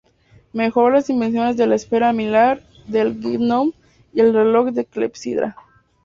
Mejoró las invenciones de la esfera armilar, del gnomon, y del reloj de clepsidra.